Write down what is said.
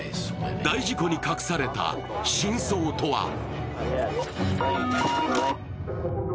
大事故に隠された真相とは？